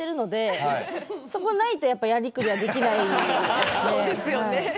そこないとやっぱやり繰りはできないですね。